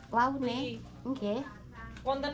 apa tilemnya ditunjukin mbak